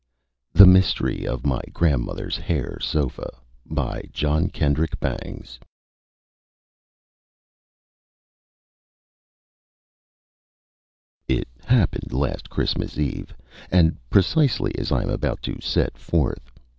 THE MYSTERY OF MY GRANDMOTHER'S HAIR SOFA It happened last Christmas Eve, and precisely as I am about to set it forth.